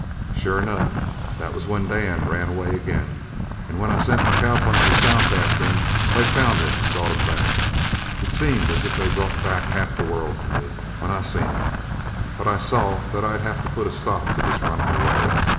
"Sure enough, that was when Dan ran away again, and when I sent my cowpunchers south after him, they found him and brought him back. It seemed as if they'd brought back half the world to me, when I seen him. But I saw that I'd have to put a stop to this runnin' away.